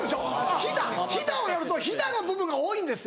ヒダヒダをやるとヒダの部分が多いんですよ。